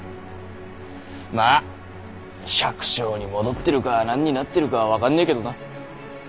まあ百姓に戻ってるか何になってるかは分かんねぇけんどな。